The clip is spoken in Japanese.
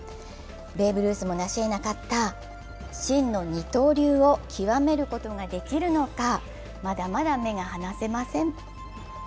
ベーブ・ルースもなしえなかった真の二刀流を極めることができるのかまだまだ目が離せません。